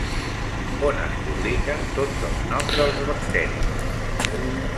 On es publiquen tots els noms dels bacteris?